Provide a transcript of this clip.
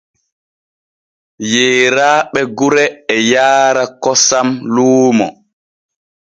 Yeeraaɓe gure e yaara kosam luumo.